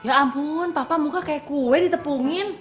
ya ampun papa muka kayak kue ditepungin